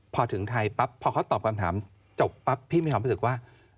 พอถึงไทยปั๊บพอเขาตอบคำถามจบปั๊บพี่มีความรู้สึกว่า